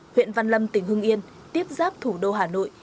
huyện văn lâm tỉnh hưng yên tiếp giáp thủ đô hà nội